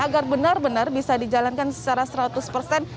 agar benar benar bisa dijalankan secara seratus persen